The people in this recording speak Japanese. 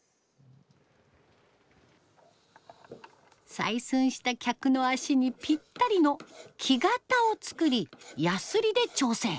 採寸した客の足にぴったりの木型を作りやすりで調整。